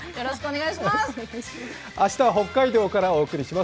明日は北海道からお送りします。